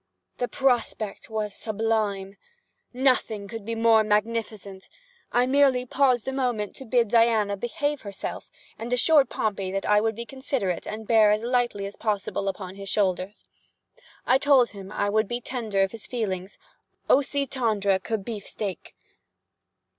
The prospect was sublime. Nothing could be more magnificent. I merely paused a moment to bid Diana behave herself, and assure Pompey that I would be considerate and bear as lightly as possible upon his shoulders. I told him I would be tender of his feelings—ossi tender que beefsteak.